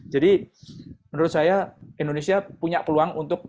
jadi menurut saya indonesia punya peluang untuk paling tindih untuk menang